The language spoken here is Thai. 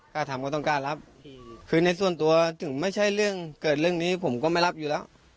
กล้าทำก็ต้องกล้ารับคือในส่วนตัวถึงไม่ใช่เรื่องเกิดเรื่องนี้ผมก็ไม่รับอยู่แล้ว